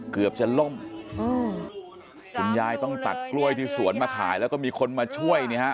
เกือบจะล่มอืมคุณยายต้องตัดกล้วยที่สวนมาขายแล้วก็มีคนมาช่วยเนี่ยฮะ